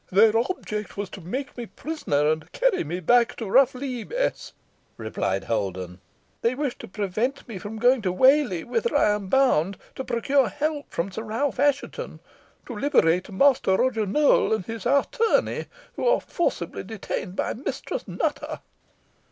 "Their object was to make me prisoner, and carry me back to Rough Lee, Bess," replied Holden. "They wished to prevent my going to Whalley, whither I am bound, to procure help from Sir Ralph Assheton to liberate Master Roger Nowell and his attorney, who are forcibly detained by Mistress Nutter."